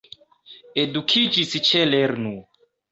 Edukiĝis ĉe lernu!